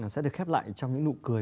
sẽ được khép lại trong những nụ cười